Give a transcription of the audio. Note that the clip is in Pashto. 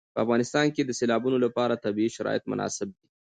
په افغانستان کې د سیلابونه لپاره طبیعي شرایط مناسب دي.